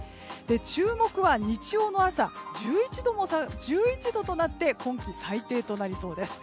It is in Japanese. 注目は日曜の朝、１１度となって今季最低となりそうです。